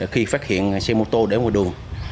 khi phát hiện xe mô tô để ngoài đường